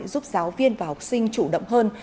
giúp giáo viên và học sinh chủ động hơn